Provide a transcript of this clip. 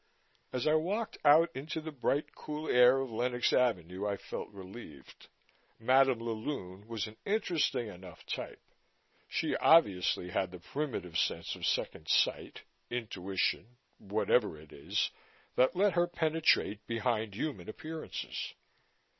As I walked out into the bright cool air of Lenox Avenue, I felt relieved. Madame la Lune was an interesting enough type. She obviously had the primitive sense of second sight, intuition, whatever it is, that let her penetrate behind human appearances.